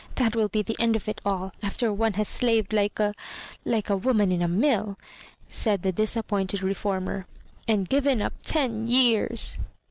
That will be the end of it all, after one has slaved hke a — ^like a woman in a mill," said the disappointed reformer, " and given up ten years."